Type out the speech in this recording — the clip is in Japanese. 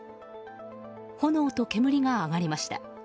炎と煙が上がりました。